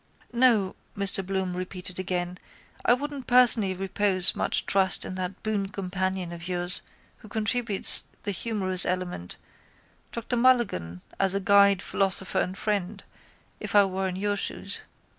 —No, Mr Bloom repeated again, I wouldn't personally repose much trust in that boon companion of yours who contributes the humorous element, Dr Mulligan, as a guide, philosopher and friend if I were in your shoes.